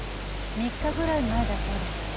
３日ぐらい前だそうです。